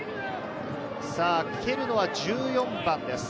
蹴るのは１４番です。